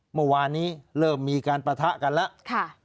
เมื่อวานนี้เริ่มมีการปะทะกันแล้ว